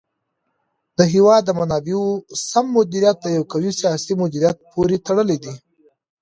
د هېواد د منابعو سم مدیریت د یو قوي سیاسي مدیریت پورې تړلی دی.